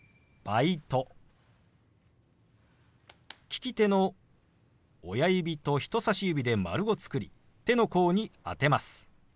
利き手の親指と人さし指で丸を作り手の甲に当てます。